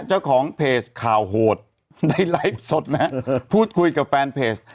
เจ้าของเพจข่าวโหดได้ไลฟ์สดนะฮะพูดคุยกับแฟนเพจ